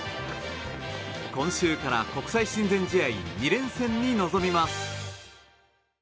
今週から国際親善試合２連戦に臨みます。